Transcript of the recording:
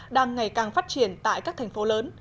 đang ngày càng phát triển tại các thành phố lớn